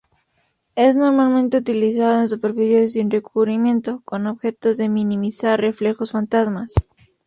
Es normalmente utilizado en superficies sin recubrimiento, con objeto de minimizar "reflejos fantasma".